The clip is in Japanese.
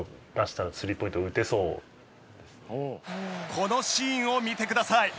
このシーンを見てください。